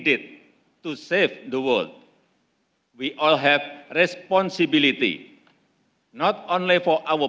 kita semua memiliki tanggung jawab bukan hanya untuk orang orang kita